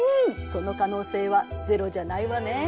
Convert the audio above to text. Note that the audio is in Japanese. その可能性はゼロじゃないわね。